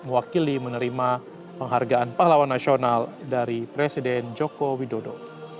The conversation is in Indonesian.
wakili menerima penghargaan pahlawan nasional dari presiden joko widodo